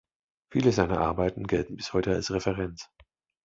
Viele seiner Arbeiten gelten bis heute als Referenz.